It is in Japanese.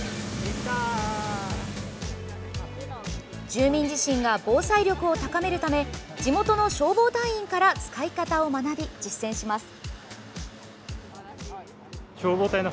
住民自身が防災力を高めるため地元の消防隊員から使い方を学び実践します。